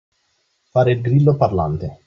Fare il grillo parlante.